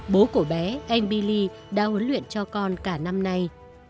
bố của bé anh bili đã huấn luyện cho con cả năm nay